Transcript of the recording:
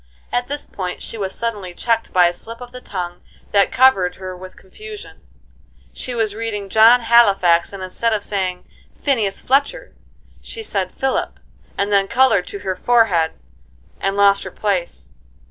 At this point she was suddenly checked by a slip of the tongue that covered her with confusion. She was reading "John Halifax," and instead of saying "Phineas Fletcher" she said Philip, and then colored to her forehead, and lost her place.